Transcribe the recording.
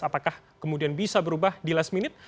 apakah kemudian bisa berubah di last minute